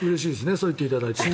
そう言っていただいて。